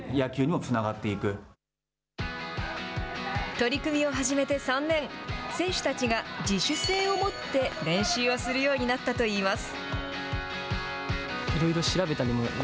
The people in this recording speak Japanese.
取り組みを始めて３年選手たちが自主性を持って練習するようになったと言います。